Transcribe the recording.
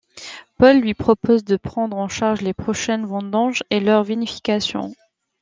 Paul lui propose de prendre en charge les prochaines vendanges et leur vinification...